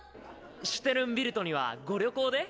シュテルンビルトにはご旅行で？